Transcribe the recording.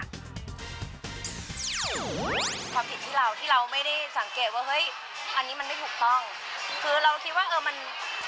ความผิดที่เราที่เราไม่ได้สังเกตว่าอันนี้มันไม่ถูกต้อง